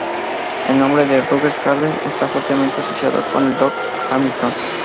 El nombre de Rutgers Gardens está fuertemente asociado con el de "Doc" Hamilton.